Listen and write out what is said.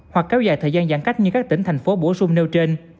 hoặc kéo dài thời gian giãn cách như các tỉnh thành phố bổ sung nêu trên